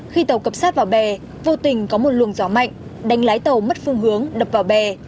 khi tàu cập sát vào bè vô tình có một luồng gió mạnh đánh lái tàu mất phương hướng đập vào bè